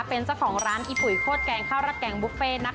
เป็นเจ้าของร้านอิปุ๋ยโฆษแกงข้าวราดแกงบุฟเฟ่นะคะ